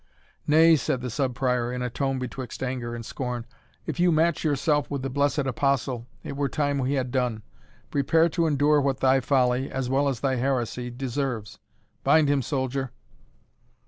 "Nay," said the Sub Prior, in a tone betwixt anger and scorn, "if you match yourself with the blessed Apostle, it were time we had done prepare to endure what thy folly, as well as thy heresy, deserves. Bind him, soldier."